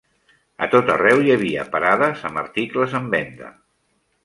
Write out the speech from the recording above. A tot arreu hi havia parades amb articles en venda.